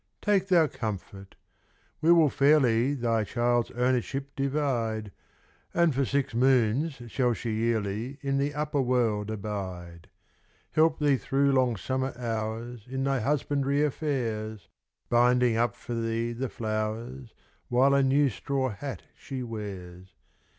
Take thou comfort. We will fairly Thy child's ownership divide; And for six moons shall she yearly In the upper world abide. Help thee through long summer hours In thy husbandry affairs; Binding up for thee the flowers, While a new straw hat she wears.